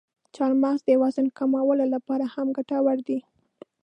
چارمغز د وزن کمولو لپاره هم ګټور دی.